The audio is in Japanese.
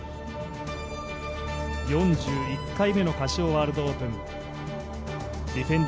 ４１回目のカシオワールドオープン。